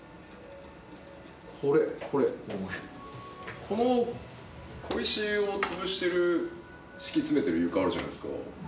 これこれこここの小石を潰してる敷き詰めてる床あるじゃないですか